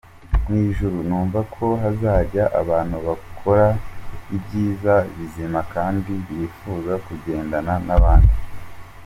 Mu ijuru numva ko hazajya abantu bakora ibyiza bizima, kandi bifuza kugendana n’abandi.